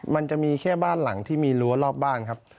มันจะมีแค่บ้านหลังที่มีรั้วรอบบ้านครับ